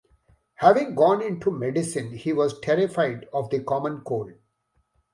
Having gone into medicine, he was terrified of the common cold.